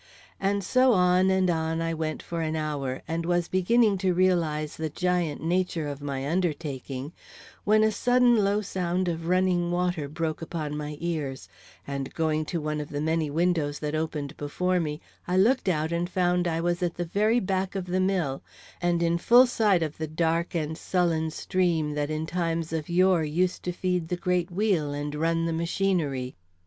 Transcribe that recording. And so on and on I went for an hour, and was beginning to realize the giant nature of my undertaking, when a sudden low sound of running water broke upon my ears, and going to one of the many windows that opened before me, I looked out and found I was at the very back of the mill, and in full sight of the dark and sullen stream that in times of yore used to feed the great wheel and run the machinery.